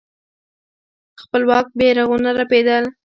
خپلواک بيرغونه رپېدل.